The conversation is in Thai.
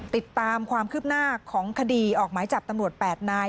ติดตามความคืบหน้าของคดีออกหมายจับตำรวจ๘นาย